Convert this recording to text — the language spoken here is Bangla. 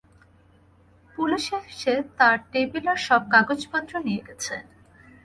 পুলিশ এসে তাঁর টেবিলের সব কাগজপত্র নিয়ে গেছে।